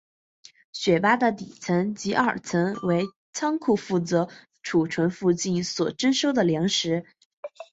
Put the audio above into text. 雪巴的底层及二层为仓库负责存储附近所征收的粮食。